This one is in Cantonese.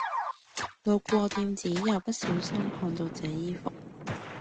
路過店子又不小心看到這衣服